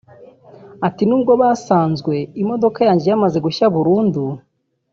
Ati “Nubwo basanzwe imodoka yanjye yamaze gushya burundu